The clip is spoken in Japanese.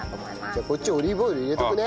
じゃあこっちオリーブオイル入れておくね。